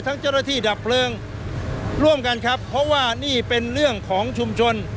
เจ้าหน้าที่ดับเพลิงร่วมกันครับเพราะว่านี่เป็นเรื่องของชุมชน